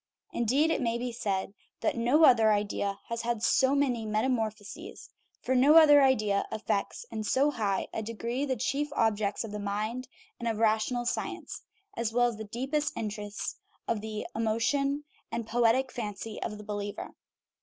Indeed, it may be said that no other idea has had so many metamorphoses ; for no other belief affects in so high a degree the chief objects of the mind and of rational science, as well as the deepest interests of the emotion and poetic fancy of the believer.